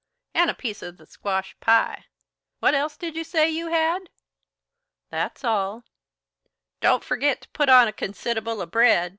And a piece of the squash pie. What else did you say you had?" "That's all." "Don't forgit to put on consid'able of bread.